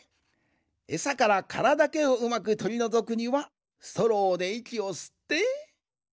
えさからカラだけをうまくとりのぞくにはストローでいきをすって。